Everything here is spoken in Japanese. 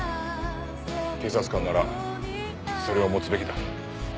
警察官ならそれを持つべきだ。